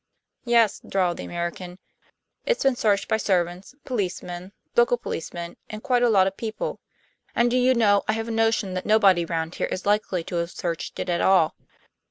"Yes," drawled the American. "It's been searched by servants, policemen, local policeman, and quite a lot of people; and do you know I have a notion that nobody round here is likely to have searched it at all."